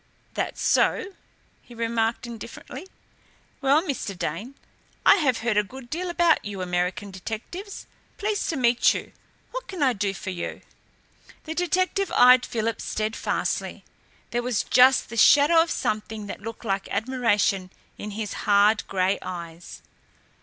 "That so?" he remarked indifferently. "Well, Mr. Dane, I have heard a good deal about you American detectives. Pleased to meet you. What can I do for you?" The detective eyed Philip steadfastly. There was just the shadow of something that looked like admiration in his hard, grey eyes.